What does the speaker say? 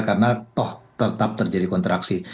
karena toh tetap terjadi kontraksi